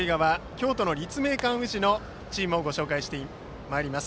京都の立命館宇治のチームをご紹介してまいります。